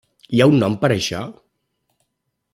Hi ha un nom per a això?